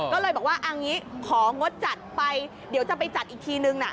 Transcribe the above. ก็เลยบอกว่าเอางี้ของงดจัดไปเดี๋ยวจะไปจัดอีกทีนึงนะ